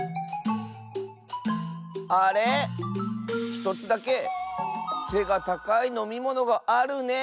１つだけせがたかいのみものがあるね。